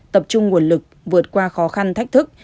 tập trung nguồn lực vượt qua khó khăn thách thức